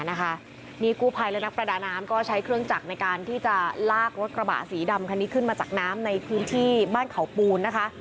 นี่กู้ภัยและนักประดาน้ำก็ใช้เครื่องจักรในการที่จะลากรถกระบะสีดำคันนี้ขึ้นมาจากน้ำในพื้นที่บ้านเขาปูนนะคะ